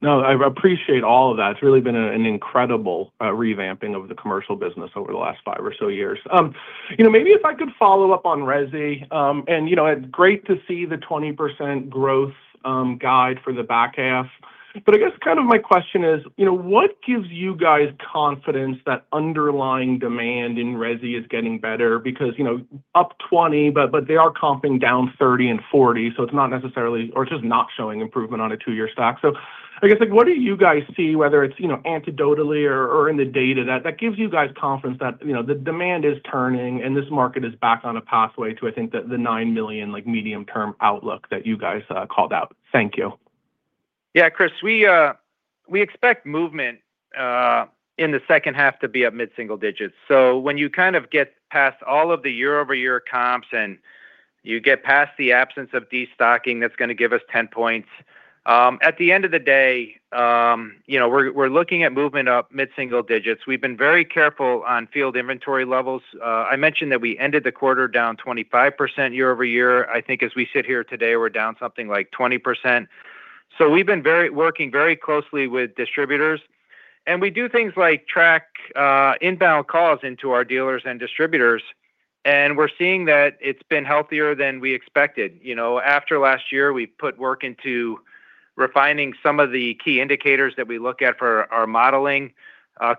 No, I appreciate all of that. It's really been an incredible revamping of the Commercial business over the last five or so years. Maybe if I could follow up on Resi. It's great to see the 20% growth guide for the back half. I guess my question is, what gives you guys confidence that underlying demand in Resi is getting better? Up 20%, but they are comping down 30% and 40%, so it's just not showing improvement on a two-year stack. I guess, what do you guys see, whether it's anecdotally or in the data, that gives you guys confidence that the demand is turning and this market is back on a pathway to, I think, the $9 million medium-term outlook that you guys called out? Thank you. Yeah, Chris, we expect movement in the second half to be up mid single-digits. When you get past all of the year-over-year comps, and you get past the absence of destocking, that's going to give us 10% points. At the end of the day, we're looking at movement up mid single-digits. We've been very careful on field inventory levels. I mentioned that we ended the quarter down 25% year-over-year. I think as we sit here today, we're down something like 20%. We've been working very closely with distributors, and we do things like track inbound calls into our dealers and distributors, and we're seeing that it's been healthier than we expected. After last year, we put work into refining some of the key indicators that we look at for our modeling.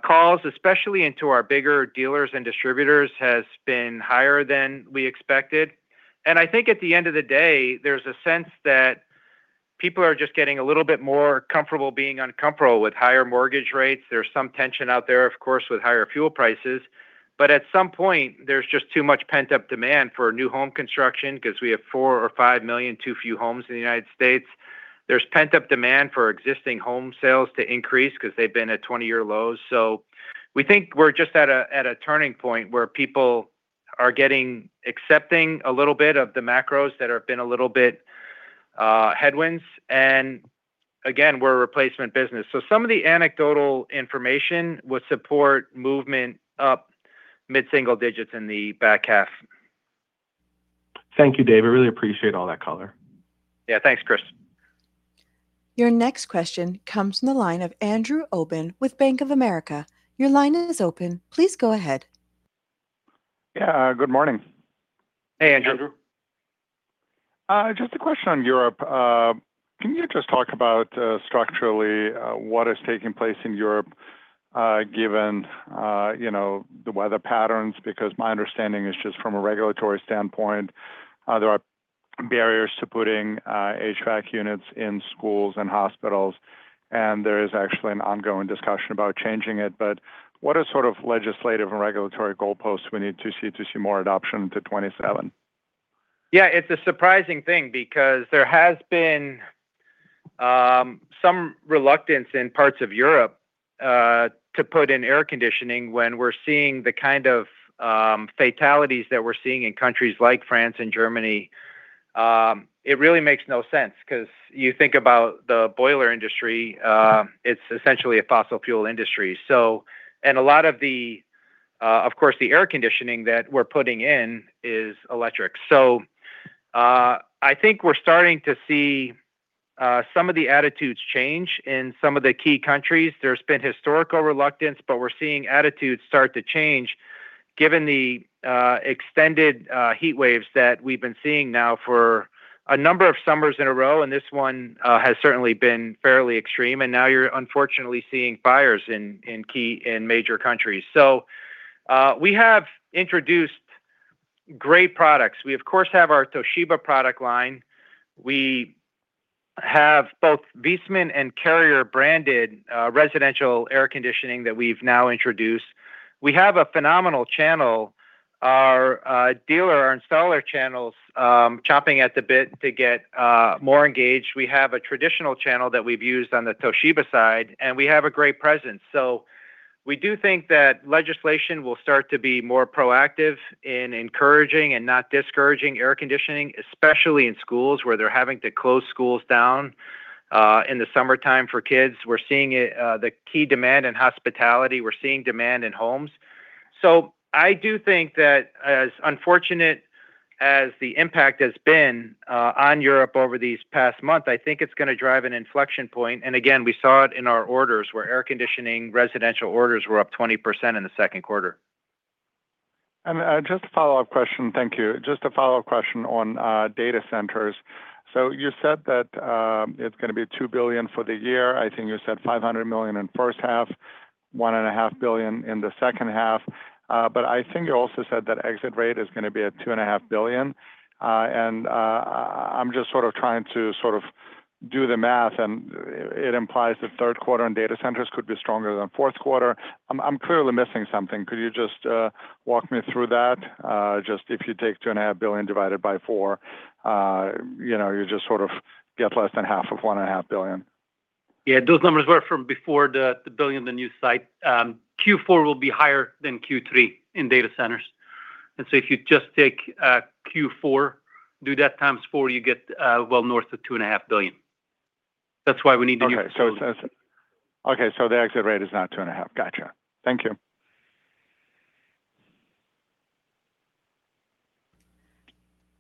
Calls, especially into our bigger dealers and distributors, has been higher than we expected. I think at the end of the day, there's a sense that people are just getting a little bit more comfortable being uncomfortable with higher mortgage rates. There's some tension out there, of course, with higher fuel prices. At some point, there's just too much pent-up demand for new home construction because we have 4 or 5 million too few homes in the U.S. There's pent-up demand for existing home sales to increase because they've been at 20-year lows. We think we're just at a turning point where people are getting accepting a little bit of the macros that have been a little bit headwinds. Again, we're a replacement business. Some of the anecdotal information would support movement up mid single-digits in the back half. Thank you, Dave. I really appreciate all that color. Thanks, Chris. Your next question comes from the line of Andrew Obin with Bank of America. Your line is open. Please go ahead. Yeah, good morning. Hey, Andrew. Hey, Andrew. Just a question on Europe. Can you just talk about structurally what is taking place in Europe, given the weather patterns? My understanding is just from a regulatory standpoint, there are barriers to putting HVAC units in schools and hospitals, and there is actually an ongoing discussion about changing it. What are sort of legislative and regulatory goalposts we need to see to see more adoption to 2027? Yeah, it's a surprising thing because there has been some reluctance in parts of Europe to put in air conditioning when we're seeing the kind of fatalities that we're seeing in countries like France and Germany. It really makes no sense because you think about the boiler industry, it's essentially a fossil fuel industry. A lot of the, of course, the air conditioning that we're putting in is electric. I think we're starting to see some of the attitudes change in some of the key countries. There's been historical reluctance, we're seeing attitudes start to change given the extended heatwaves that we've been seeing now for a number of summers in a row, and this one has certainly been fairly extreme. Now you're unfortunately seeing fires in key and major countries. We have introduced great products. We of course have our Toshiba product line. We have both Viessmann and Carrier-branded residential air conditioning that we've now introduced. We have a phenomenal channel. Our dealer, our installer channel's chomping at the bit to get more engaged. We have a traditional channel that we've used on the Toshiba side, and we have a great presence. We do think that legislation will start to be more proactive in encouraging and not discouraging air conditioning, especially in schools where they're having to close schools down in the summertime for kids. We're seeing the key demand in hospitality. We're seeing demand in homes. I do think that as unfortunate as the impact has been on Europe over these past month, I think it's going to drive an inflection point. Again, we saw it in our orders where air conditioning residential orders were up 20% in the second quarter. Just a follow-up question. Thank you. Just a follow-up question on data centers. You said that it's going to be $2 billion for the year. I think you said $500 million in first half, $1.5 billion in the second half. I think you also said that exit rate is going to be at $2.5 billion. I'm just sort of trying to do the math, and it implies that third quarter in data centers could be stronger than fourth quarter. I'm clearly missing something. Could you just walk me through that? Just if you take $2.5 billion divided by 4, you just sort of get less than half of $1.5 billion. Yeah. Those numbers were from before the billion, the new site. Q4 will be higher than Q3 in data centers. If you just take Q4, do that times four, you get well north of $2.5 billion. That's why we need the new facility. Okay. The exit rate is now $2.5 billion. Got you. Thank you.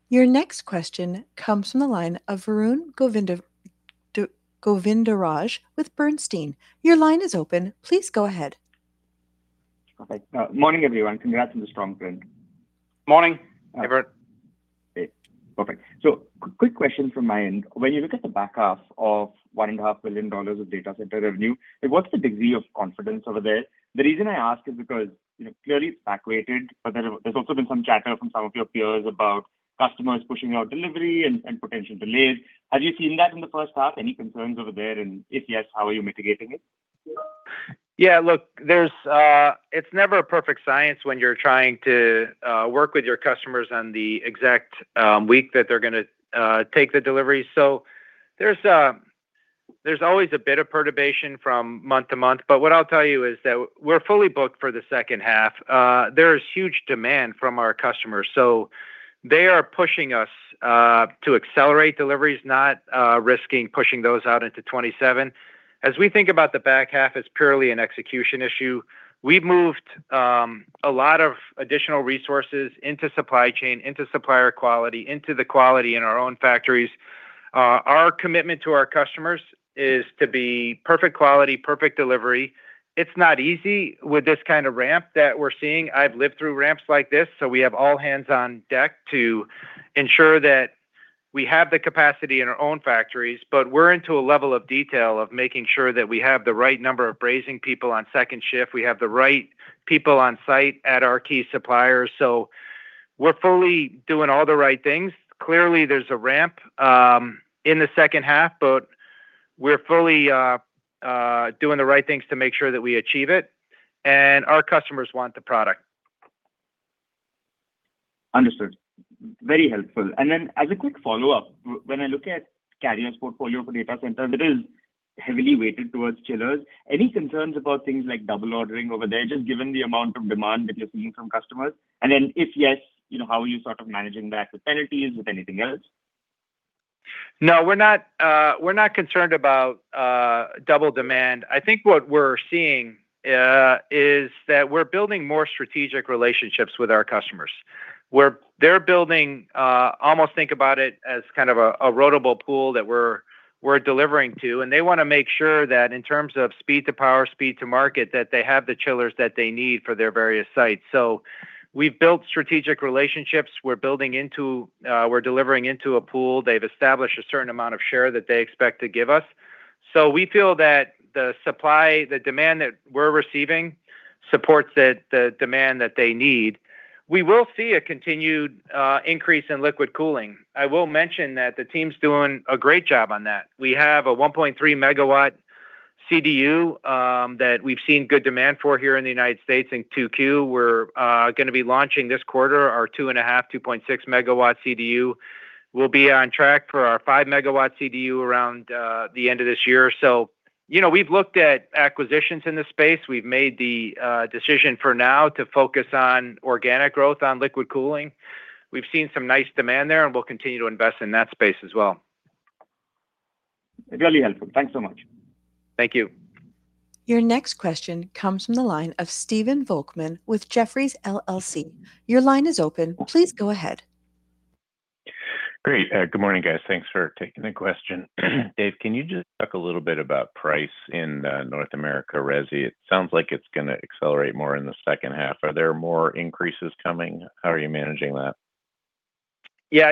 Your next question comes from the line of Varun Govindaraj with Bernstein. Your line is open. Please go ahead. Okay. Morning, everyone. Congrats on the strong print. Morning, Varun. Great. Perfect. Quick question from my end. When you look at the back half of $1.5 billion of data center revenue, what's the degree of confidence over there? The reason I ask is because clearly it's back weighted, but there's also been some chatter from some of your peers about customers pushing out delivery and potential delays. Have you seen that in the first half? Any concerns over there? If yes, how are you mitigating it? Yeah, look, it's never a perfect science when you're trying to work with your customers on the exact week that they're going to take the delivery. There's always a bit of perturbation from month to month. What I'll tell you is that we're fully booked for the second half. There is huge demand from our customers. They are pushing us to accelerate deliveries, not risking pushing those out into 2027. As we think about the back half, it's purely an execution issue. We've moved a lot of additional resources into supply chain, into supplier quality, into the quality in our own factories. Our commitment to our customers is to be perfect quality, perfect delivery. It's not easy with this kind of ramp that we're seeing. I've lived through ramps like this. We have all hands on deck to ensure that we have the capacity in our own factories. We're into a level of detail of making sure that we have the right number of brazing people on second shift. We have the right people on site at our key suppliers. We're fully doing all the right things. Clearly, there's a ramp in the second half, but we're fully doing the right things to make sure that we achieve it. Our customers want the product. Understood. Very helpful. As a quick follow-up, when I look at Carrier's portfolio for data centers, it is heavily weighted towards chillers. Any concerns about things like double ordering over there, just given the amount of demand that you're seeing from customers? If yes, how are you sort of managing that, with penalties, with anything else? No, we're not concerned about double demand. I think what we're seeing is that we're building more strategic relationships with our customers. They're building, almost think about it as kind of a rotable pool that we're delivering to. They want to make sure that in terms of speed to power, speed to market, that they have the chillers that they need for their various sites. We've built strategic relationships. We're delivering into a pool. They've established a certain amount of share that they expect to give us. We feel that the demand that we're receiving supports the demand that they need. We will see a continued increase in liquid cooling. I will mention that the team's doing a great job on that. We have a 1.3 MW CDU that we've seen good demand for here in the United States. in 2Q. We're going to be launching this quarter our 2.5 MW, 2.6 MW CDU. We'll be on track for our 5 MW CDU around the end of this year. We've looked at acquisitions in this space. We've made the decision for now to focus on organic growth on liquid cooling. We've seen some nice demand there, and we'll continue to invest in that space as well. Really helpful. Thanks so much. Thank you. Your next question comes from the line of Stephen Volkmann with Jefferies LLC. Your line is open. Please go ahead. Great. Good morning, guys. Thanks for taking the question. Dave, can you just talk a little bit about price in North America Resi? It sounds like it's going to accelerate more in the second half. Are there more increases coming? How are you managing that? Yeah.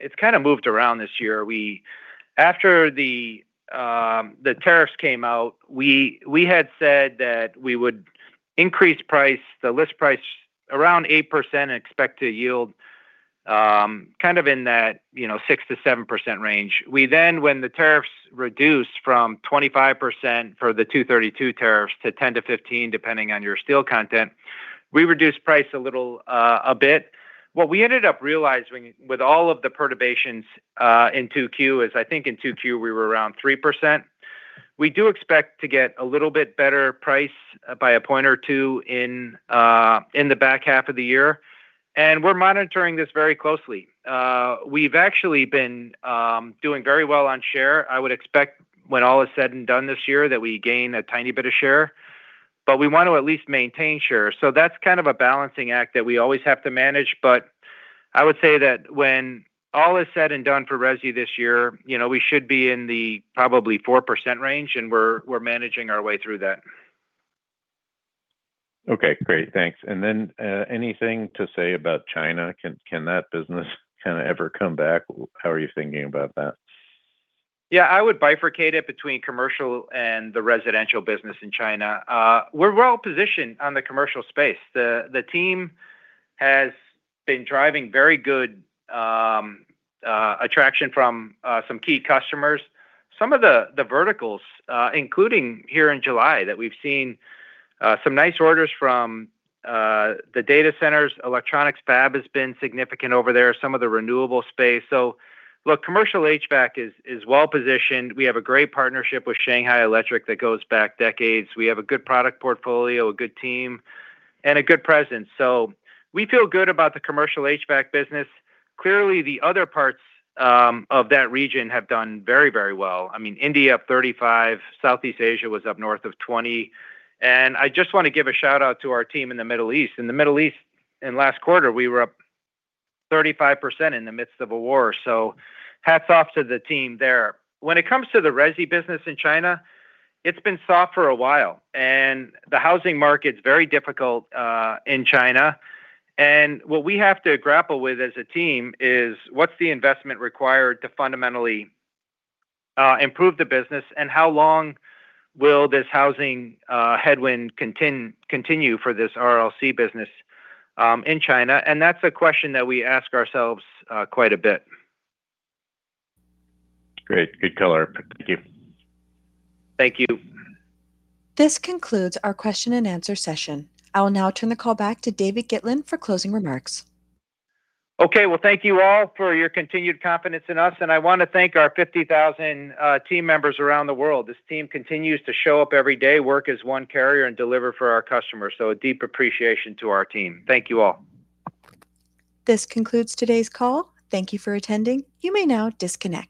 It's kind of moved around this year. After the tariffs came out, we had said that we would increase the list price around 8% and expect to yield kind of in that 6%-7% range. When the tariffs reduced from 25% for the 232 tariffs to 10%-15%, depending on your steel content, we reduced price a little bit. What we ended up realizing with all of the perturbations in 2Q is, I think, in 2Q, we were around 3%. We do expect to get a little bit better price by a point or two in the back half of the year, and we're monitoring this very closely. We've actually been doing very well on share. I would expect, when all is said and done this year, that we gain a tiny bit of share, but we want to at least maintain share. That's kind of a balancing act that we always have to manage, but I would say that when all is said and done forResi this year, we should be in the probably 4% range, and we're managing our way through that. Okay, great. Thanks. Anything to say about China? Can that business ever come back? How are you thinking about that? Yeah, I would bifurcate it between Commercial and the Residential business in China. We're well positioned on the Commercial space. The team has been driving very good attraction from some key customers. Some of the verticals including here in July that we've seen some nice orders from the data centers. Electronics fab has been significant over there, some of the renewable space. Look, Commercial HVAC is well positioned. We have a great partnership with Shanghai Electric that goes back decades. We have a good product portfolio, a good team, and a good presence. We feel good about the Commercial HVAC business. Clearly, the other parts of that region have done very well. India up 35%, Southeast Asia was up north of 20%, and I just want to give a shout-out to our team in the Middle East. In the Middle East, in last quarter, we were up 35% in the midst of a war. Hats off to the team there. When it comes to the Resi business in China, it's been soft for a while, and the housing market's very difficult in China. What we have to grapple with as a team is what's the investment required to fundamentally improve the business, and how long will this housing headwind continue for this RLC business in China? That's a question that we ask ourselves quite a bit. Great. Good color. Thank you. Thank you. This concludes our question-and-answer session. I will now turn the call back to David Gitlin for closing remarks. Okay. Well, thank you all for your continued confidence in us, and I want to thank our 50,000 team members around the world. This team continues to show up every day, work as one Carrier, and deliver for our customers. A deep appreciation to our team. Thank you all. This concludes today's call. Thank you for attending. You may now disconnect.